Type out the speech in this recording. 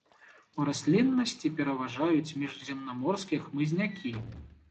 У расліннасці пераважаюць міжземнаморскія хмызнякі.